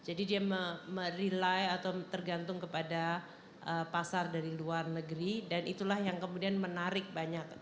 dia merely atau tergantung kepada pasar dari luar negeri dan itulah yang kemudian menarik banyak